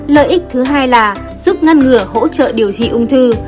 lợi ích thứ hai là giúp ngăn ngừa hỗ trợ điều trị ung thư